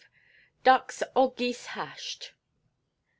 Ducks or Geese Hashed.